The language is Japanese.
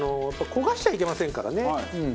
焦がしちゃいけませんからね。